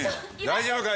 大丈夫か？